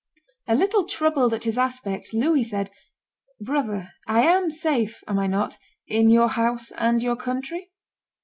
A little troubled at his aspect, Louis said, "Brother, I am safe, am I not, in your house and your country?"